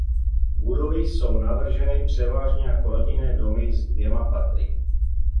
Budovy jsou navrženy převážně jako rodinné domy s dvěma patry.